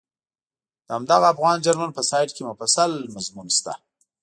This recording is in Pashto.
د همدغه افغان جرمن په سایټ کې مفصل مضمون شته.